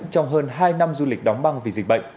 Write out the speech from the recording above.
trong hơn hai năm du lịch đóng băng